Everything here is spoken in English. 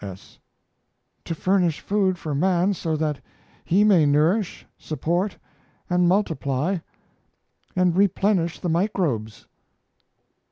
S. To furnish food for man so that he may nourish, support, and multiply and replenish the microbes.